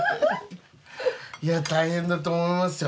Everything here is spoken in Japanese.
いや大変だと思いますよ。